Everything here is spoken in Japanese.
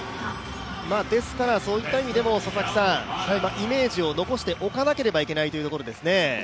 ですから、そういった意味でもイメージを残しておかなければいけないところですね。